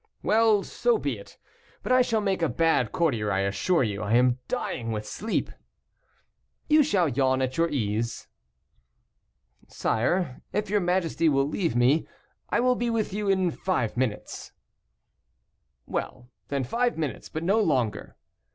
"Well, so be it. But I shall make a bad courtier, I assure you; I am dying with sleep." "You shall yawn at your ease." "Sire, if your majesty will leave me, I will be with you in five minutes." "Well, then, five minutes, but no longer."